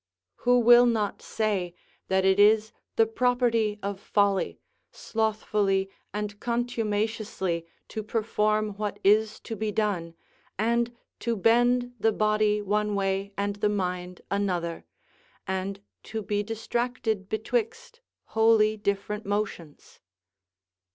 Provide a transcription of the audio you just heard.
["Who will not say, that it is the property of folly, slothfully and contumaciously to perform what is to be done, and to bend the body one way and the mind another, and to be distracted betwixt wholly different motions?"